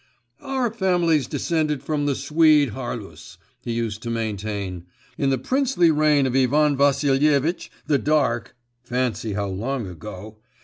'Our family's descended from the Swede Harlus,' he used to maintain. 'In the princely reign of Ivan Vassilievitch the Dark (fancy how long ago!)